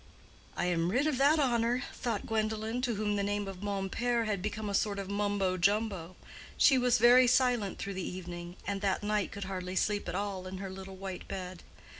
"I am rid of that horror," thought Gwendolen, to whom the name of Mompert had become a sort of Mumbo jumbo. She was very silent through the evening, and that night could hardly sleep at all in her little white bed.